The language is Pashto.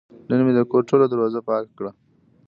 نن مې د کور ټوله دروازه پاکه کړه.